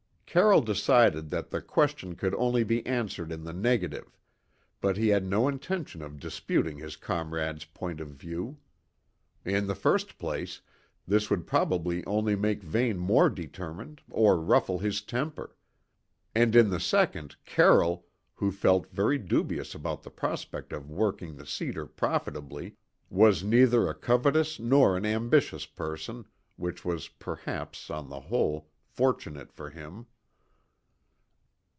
Carroll decided that the question could only be answered in the negative; but he had no intention of disputing his comrade's point of view. In the first place, this would probably only make Vane more determined or ruffle his temper; and in the second Carroll, who felt very dubious about the prospect of working the cedar profitably, was neither a covetous nor an ambitious person, which was, perhaps, on the whole, fortunate for him.